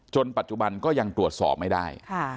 ปัจจุบันก็ยังตรวจสอบไม่ได้